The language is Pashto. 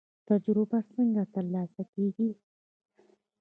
تجربه څنګه ترلاسه کیږي؟